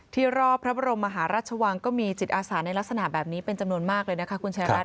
รอบพระบรมมหาราชวังก็มีจิตอาสาในลักษณะแบบนี้เป็นจำนวนมากเลยนะคะคุณชายรัฐ